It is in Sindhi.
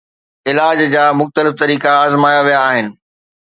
علاج جا مختلف طريقا آزمايا ويا آهن